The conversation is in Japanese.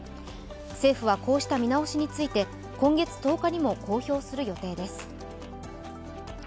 政府はこうした見直しについて、今月１０日にも公表する予定です。